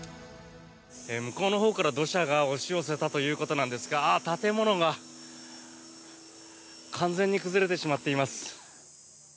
向こうのほうから土砂が押し寄せたということなんですが建物が完全に崩れてしまっています。